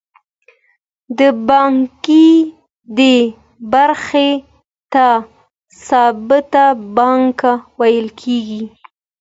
د پانګې دې برخې ته ثابته پانګه ویل کېږي